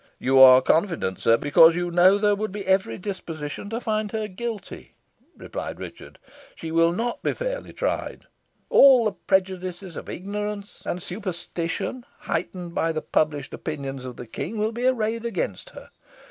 "You are confident, sir, because you know there would be every disposition to find her guilty," replied Richard. "She will not be fairly tried. All the prejudices of ignorance and superstition, heightened by the published opinions of the King, will be arrayed against her.